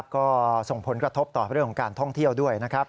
ก็ส่งผลกระทบต่อเรื่องของการท่องเที่ยวด้วยนะครับ